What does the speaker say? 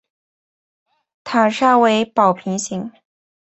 塔刹为宝瓶形。